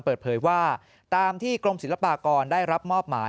เปิดเผยว่าตามที่กรมศิลปากรได้รับมอบหมาย